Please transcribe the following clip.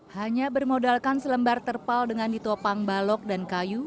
hanya bermodalkan selembar terpal dengan ditopang balok dan kayu